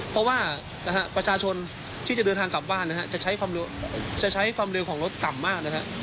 เพราะว่าประชาชนที่จะเดินทางกลับบ้านนะฮะจะใช้ความเร็วของรถต่ำมากนะฮะ